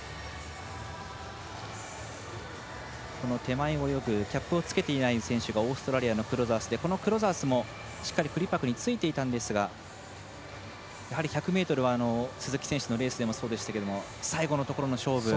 この手前を泳ぐキャップをつけていない選手がオーストラリアのクロザースでクロザースもしっかりクリパクについていたんですがやはり１００ｍは鈴木選手のレースでもそうでしたけど最後のところの勝負。